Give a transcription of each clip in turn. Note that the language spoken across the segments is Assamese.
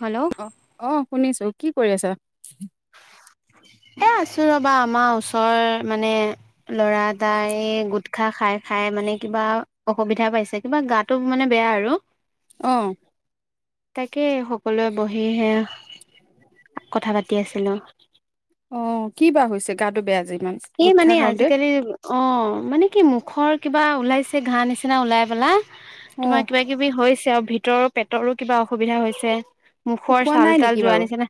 হেল্ল' অ'! অ'! শুনিছোঁ। কি কৰি আছা? এ, আছোঁ ৰ'বা। আমাৰ ওচৰৰ মানে, ল'ৰা এটাই গুটখা খাই খাই মানে, কিবা অসুবিধা পাইছে, কিবা গাটো মানে বেয়া আৰু। অ'! তাকে, সকলোৱে বহি সেই য়া কথা পাতি আছিলোঁ। অ'! কি বা হৈছে গাটো বেয়া যে? ইমান এই গোটখা মানে খাওঁতে আজিকালি, অ'! মানে, কি মুখৰ কিবা ওলাইছে, ঘা নিচিনা ওলাই পেলায়, অ তোমাৰ কিবা কিবি হৈছে আৰু। ভিতৰৰ পেটৰো কিবা অসুবিধা হৈছে, মুখৰ শুকোৱা চাল নাই তাল নেকি যোৱা বাৰু নিচিনা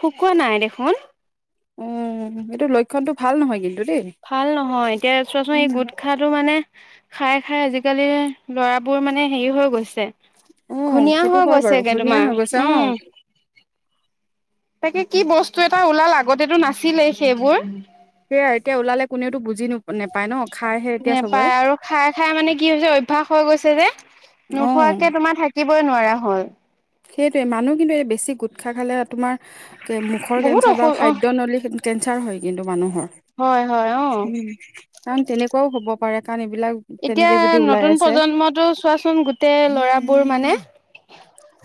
শুকোৱা নাই দেখোন। অ এইটো লক্ষণটো ভাল নহয়গে? ভাল নহয়। এতিয়া, চোৱাচোন এই গোটখা টো মানে খাই, খাই আজিকালি, ল'ৰাবোৰ মানে, হেৰি হৈ গৈছে। অ ঘুনীয়া সেইটো হৈ হয় বাৰু গৈছেগে ঘূৰ্ণিয়াই হৈ তোমাৰ। গৈছে অ উম! তাকে কি বস্তু এটা ওলাল আগতেটো নাছিলেই সেইবোৰ। সেয়া, এতিয়া ওলালে কোনেও তোক বুজি ন নাপায় ন'? খাইহে এতিয়া চবৰে নেপায় আৰু খাই খাই মানে, কি হৈছে, অভ্যাস হৈ গৈছে যে। অ নোখোৱাকে তোমাৰ থাকিব নোৱাৰা হ'ল। সেইটোৱে, মানুহ কিন্তু এই বেছি গোট খা খালে, তোমাৰ মুখৰ বহুত কেঞ্চাৰ বা অসু অ খাদ্য নলী কেঞ্চাৰ হয় কিন্তু মানুহৰ। হয় হয় অ উম! কাৰণ, তেনেকুৱাও হ'ব পাৰে। কাৰণ এইবিলাক এতিয়া তেনেকে যদি ওলাই নতুন আছে প্ৰজন্মটো চোৱাচোন গোটেই ল'ৰাবোৰ মানে,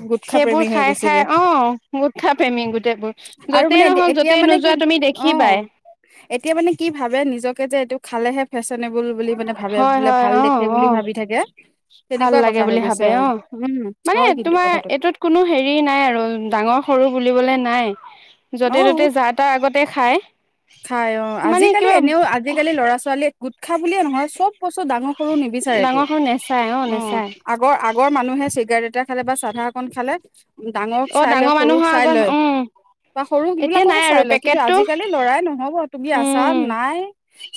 গোটখা প্ৰেমী সেইবোৰ হৈ খাই গৈছেগে খাই। অ'! গুটখা প্ৰেমী গোটেইবোৰ, আৰু মানে য'তেই নহওঁক, এতিয়া য'তেই মানে কি নোযোৱা তুমি অ দেখিবাই। এতিয়া মানে, কি ভাবে নিজকে যে, এইটো খালেহে ফেচ [unintelligible] বুলি মানে ভাবে, হয় বোলে হয় ভাল অ দেখে বুলি অ ভাবি থাকে! ভাল তেনেকুৱা লাগে কথা হৈ বুলি গৈছে ভাবে আৰু অ উম, মানে হয় কিন্তু। তোমাৰ কথাটো এইটোত কোনো হেৰি নাই আৰু ডাঙৰ সৰু বুলিবলে নাই। য'তে, ত'তে, যা, তাৰ আগতে খায়। খায় অ'! আজিকালি এনেও, আজিকালি ল'ৰা ছোৱালীয়ে গোটখা বুলিয়ে নহয় চব বস্তু ডাঙৰ সৰু নিবিচাৰেতো ডাঙৰ সৰু নেচাই অ'! নেচাই। আগৰ, আগৰ মানুহে চিগাৰেট এটা খালে বা চাধা অকন খালে ডাঙৰক অ চাই লয়, ডাঙৰ সৰুক মানুহৰ চাই আগত লয় উম বা সৰু এতিয়া নাই সবিলাককো আৰু চাই লয়। কিন্তু, পেকেটটো আজিকালি ল'ৰাই নহ'ব তুমি আছা, উম নাই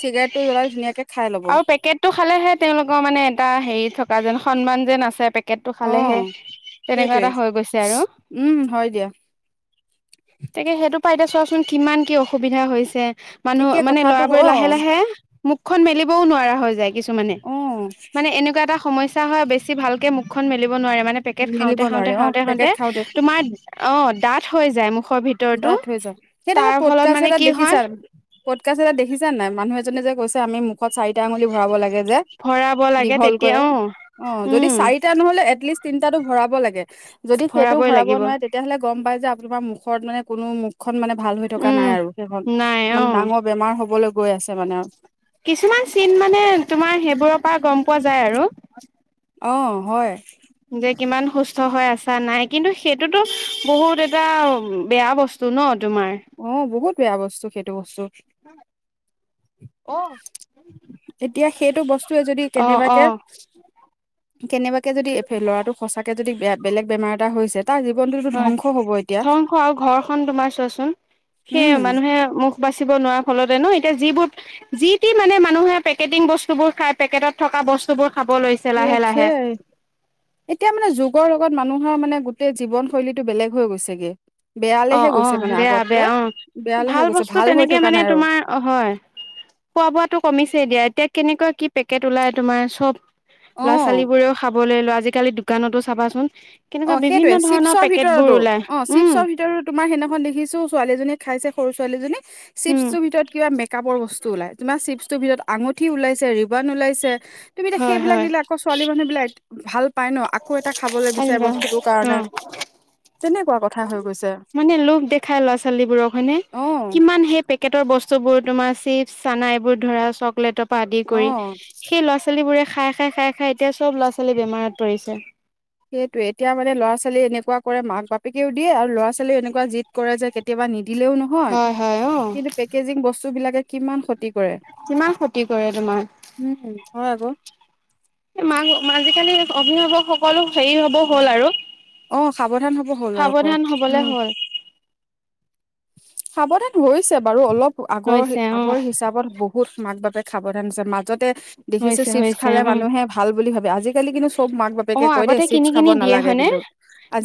চিগাৰেট আৰু পেকেটটো খালেহে তেওঁলোকৰ মানে এটা হেৰি থকা যেন সন্মান যেন আছে পেকেটটো অ খালেহে তেনেকুৱা সেইটোৱে এটা হৈ গৈছে আৰু উম হয় দিয়া। তাকে সেইটো পৰা এতিয়া চোৱাচোন কিমান কি অসুবিধা হৈছে মানুহ এতিয়া মানে কথাটো ল'ৰাবোৰে অ লাহে লাহে মুখখন মেলিবও নোৱাৰা হৈ যায় কিছুমানে অ মানে এনেকুৱা এটা সমস্যা তাৰ হৈ বেছি ভালকে মুখখন মেলিব নোৱাৰে ৱাৰে মানে পেকেট মেলিব খাওঁতে খাওঁতে নোৱাৰে অ খাওঁতে খাওঁতে পেকেট তোমাৰ অহ দাতঁ সৰি যায় মুখ দাতঁ সৰি যায়, সেইদিনাখনত পতকাস্ত মানে এটা কি হয় দেখিছা পতকাস্ত এটা দেখিছা যে মানুহ এজনে যে কৈছে আমি মুখত চাৰিটা আঙুলি ভৰাব লাগে যে ভৰাব লাগে তেতিয়া দীঘলকৈ অ অ যদি উম চাৰিটা নহলে এটলিষ্ট তিনটাটো ভৰাব লাগে যদি সেইটো ভৰাবই ভৰাব লাগিব নোৱাৰে তেতিয়াহ'লে গম পাই যে আপোনমাৰ মুখত মানে কোনো মুখ মুখ ভাল হৈ থকা উম নাই আৰু সেইখন নাই অ মানে ডাঙৰ বেমাৰ হ'বলৈ গৈ আছে মানে আৰু কিছুমান চিন মানে তোমাৰ সেইবোৰৰ পৰা গম পোৱা যায় আৰু। অ হয়। যে কিমান সুস্থ হৈ আছা নাই কিন্তু সেইটোতো বহুত এটা বেয়া বস্তু ন। তোমাৰ অ বহুত বেয়া বস্তু, সেইটো বস্তু। উ [unintelligible] এতিয়া সেইটো বস্তুৱে যদি অ অ কেনেবাকে কেনেবাকে যদি ল'ৰাটো সঁচাকে যদি বেলেগ বেমাৰ এটা হৈছে। তাৰ জীৱনটোতো হয় ধ্বংস হ'ব এতিয়া ধংস আৰু ঘৰখনন তোমাৰ চ সেই উম মানুহে মুখ বাচিব নোৱাৰা ফলতে ন এ বহুতে যিবোৰ যি টি মানে মানুহে পেকেটিং বস্তুবোৰ খাই পেকেটত থকা বস্তুবোৰ খাব লৈছে কিবা লাহে খোৱাই লাহে আৰুএতিয়া মানে যুগৰ লগত মানুহ মই মানে গোটেই জীৱন শৈলীটো বেলেগ হৈ গৈছে অ বেয়ালেহে অ মানে বেয়া বেয়া আগতকৈ অ বেয়ালেহে ভাল গৈছে বস্তু হৈ তেনেকে থকা মানে নাই আৰু তোমাৰ হয় খোৱা বোৱাতো কমিছে দিয়া এতিয়া। কেনেকুৱা কি পেকেট ওলাই তোমাৰ চব ল'ৰা ছোৱালী অ বোৰেও খাবলৈ লয় আজিকালি দোকানতো চাবাচোন কেনেকুৱা অ বিভিন্ন সেইটোয়ে ধৰণৰ চিপছৰ পেকেট বোৰ ভিতৰতো ওলাই অ উম চিপছৰ ভিতৰত তোমাৰ সেইদিনাখন দেখিছোঁ ছোৱালীজনী খাইছে সৰু ছোৱালীজনী উম চিপছৰ ভিতৰত কিবা মেকাপৰ বস্তু বস্তু ওলাই তোমাৰ চিপছৰ ভিতৰত আঙঠি ওলাইছে ৰিবান ওলাইছে তুমি এতিয়া হয় সেইবিলাক হয় দিলে আকৌ ছোৱালী মানুহ বিলাক ভাল পায় ন, আকৌ এটা খাবলৈ বিচাৰে বস্তু। বস্তুটোৰ কাৰণে অ তেনে মানে লোভ দেখাই ল'ৰা ছোৱালীবোৰক হয়নে অ কিমান সেই পেকেটৰ বস্তু বস্তু বোৰ তোমাৰ চিপছ চানা এইবোৰ ধৰা চকলেটৰ পৰা আদি অ কৰি সেই ল'ৰা ছোৱালীবোৰে খাই খাই খাই খাই এতিয়া চব ল'ৰা ছোৱালী বেমাৰত পৰিছে। সেইটো এতিয়া মানে ল'ৰা ছোৱালী এনেকুৱা কৰে মাক বাপেকেও দিয়ে, আৰু ল'ৰা ছোৱালীও এনেকুৱা জিদ কৰে যে কেতিয়াবা নিদিলেও নহয় হয় হয় অ'। কিন্তু পেকেজিং বস্তু বিলাকে কিমান ক্ষতি কৰে, কিমান ক্ষতি কৰে তোমাৰ। উম হয় আকৌ। মাক আজিকালি অভিভাৱক সকলো হেৰি হব হ'ল আৰু অ সাৱধান হ'ব হ'ল আৰু ক সাৱধান হবলে উম। হ'ল। সাৱধান হৈছে বাৰু অলপ আগৰ হৈছে অ', আগৰ হিচাপত বহুত মাক বাপেক সাৱধান হৈছে মাজতে দেখিছো হৈছে চিপছ হৈছে খালে উম। মানুহে ভাল বুলি ভাবে আজিকালি কিন্তু খুব মাক বাপেকে অ', কয় দেই আগতে চিপছ কিনি খাব কিনি দিয়ে নালাগে হয়নে? কিন্তু।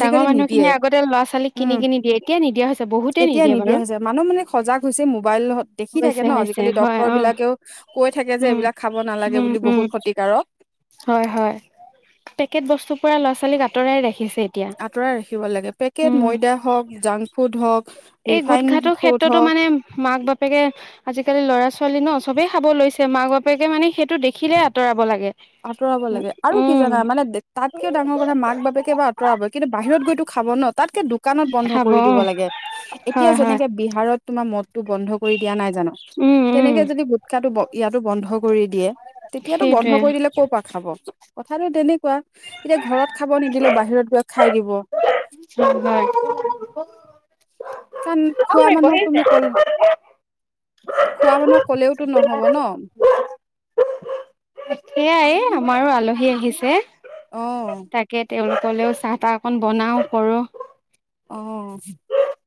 ডাঙৰ মানুহ নিদিয়ে খিনিয়ে আগতে ল'ৰা ছোৱালীক কিনি উম কিনি দিয়ে এতিয়া নিদিয়া হৈছে বহুতে এতিয়া নিদিয়ে নিদিয়া বাৰু। হৈছে মানুহ মানে সজাগ হৈছে মোবাইলত দেখি থাকে হৈছে ন হৈছে আজিকালি হয় ডক্তৰ অ', বিলাকেও কৈ থাকে যে উম এইবিলাক খাব নালাগে উম বুলি উম। বহুত ক্ষতিকাৰক হয় হয় পেকেট বস্তু পোৰা ল'ৰা ছোৱালীক আঁতৰাই ৰাখিছে। এতিয়া আঁতৰাই ৰাখিব লাগে, পেকেট উম ময়দা হওঁক, জাংক ফুড হওঁক, এই গোট খাটোৰ ক্ষেত্ৰতো মানে মাক বাপেকে আজিকালি লৰা ছোৱালী ন সবেই খাব লৈছে। মাক বাপেকে মানে সেইটো দেখিলে আঁতৰাব লাগে। আঁতৰাব লাগে। আৰু কি উম জানা মানে তাতকেও ডাঙৰ কথা মাক বাপেকে বা আঁতৰাব কিন্তু বাহিৰত গৈতো খাব খাব ন, তাতকে দোকানত বন্ধ খাব কৰি দিব লাগে। এতিয়া হয় হয় যেনেকে বিহাৰত তোমাৰ টো বন্ধ কৰি দিয়া নাই জানো, উম উম তেনেকে যদি গুটকাটো ইয়াতো বন্ধ কৰি দিয়ে তেতিয়াতো বন্ধ সেইটোৱে কৰি দিলে ক'ৰ পৰা খাব কথাটো তেনেকুৱা, এতিয়া ঘৰত খাব নিদিলেও বাহিৰত গৈ খাই দিব হয় হয় কাৰণ অ খোৱা খুৰী মানুহক বহি আছে। তুমি কল খোৱা মানুহ ক'লেওতো নহ'ব ন। সেইয়াই আমাৰো আলহী আহিছে। অহ তাকে তেওঁলোকলেও চাহ তাহ অকন বনাও কৰো। আহ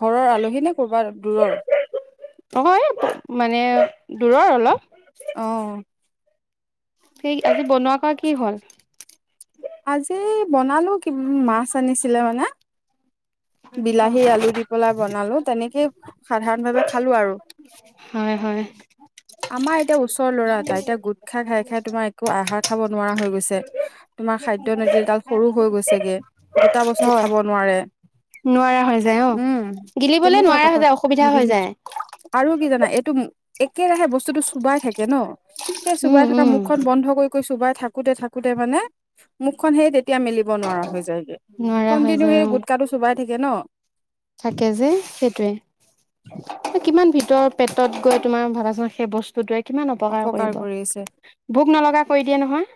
ঘৰৰ আলহী নে কৰ'বাৰ দূৰৰ হয় মানে দূৰৰ অলপ আহ সেৰি আজি বনোৱা কা কি হ'ল। আজি বনালো কি মাছ আনিছিলে মানে। বিলাহী আলু দি পেলাই বনালো তেনেকেই সাধাৰণ ভাৱে খালো আৰু। হয় হয়। আমাৰ এতিয়া ওচৰৰ ল'ৰা ত এতিয়া গোট খাই খাই খাই তোমাৰ একো আহাৰ খাব নোৱাৰা হৈ গৈছে। তোমাৰ খাদ্য নলীডাল সৰু হৈ গৈছেগে। গোটা বস্তু হয় খাব নোৱাৰে নোৱাৰা হৈ যায় অ উম গিলিবলে তেনেকুৱা নোৱাৰা হৈ কথা যায় অসুবিধা হৈ নিগিলি যায় আৰু কি জানা এইটো একেৰাহে বস্তুটো চুবাই থাকে ন সেই উম চুবাই থকা উম মুখখন বন্ধ কৰি চোবাই থাকোতে থাকোতে মানে মুখখন সেই এতিয়া মেলিব নোৱৰা হৈ যায়গে। নোৱাৰা হৈ কণ্টিনিও যায় অ থাকে যে সেইটোৱে ইমান ভিতৰ পেটত গৈ তোমাৰ ভাবাচা সেই বস্তুটোৱে কিমান অপকাৰ কৰিব। কৰি আছে ভোক নলগা কৰি দিয়ে নহয়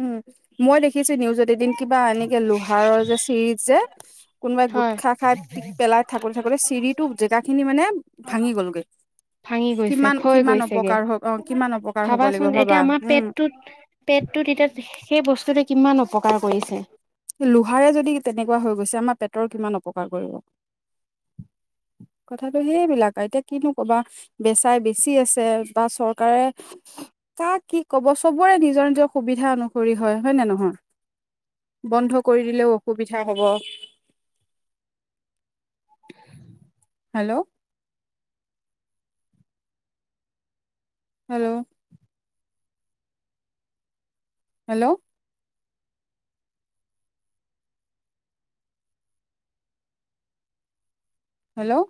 উম মই দেখিছো নিউজত এদিন কিবা এনেকে লোহাৰৰ যে চিৰিজ যে কোনোবাই গোট হয় খা খাই পিক পেলাই থাকোতে থাকোতে চিৰিটো জেগা খিনি মানে ভাঙি গ'লগৈ ভাঙি গৈছে কিমান কয় কিমান গৈছেগে। অপকাৰ হ অ কিমান অপকাৰ হব লাগিব ভাবাচোন ভাবা এতিয়া আমাৰ উম। পেটটোত পেটটোত এতিয়া সেই বস্তুতে কিমান অপকাৰ কৰিছে। লোহাৰে যদি তেনেকুৱা হৈ গৈছে আমাৰ পেটৰ কিমান অপকাৰ কৰিব। স [inaudible] কথাটো সেইবিলাক এতিয়া কিনো কবা বেচাই বেছি, আছে বা চৰকাৰে তাক কি কব চবোৰে নিজৰ নিজৰ সুবিধা অনুসৰি হয় হয় নে নহয়। উ [inaudible] বন্ধ কৰি দিলেও অসুবিধা হ'ব হেল্ল' হেল্ল' হেল্ল' হেল্ল'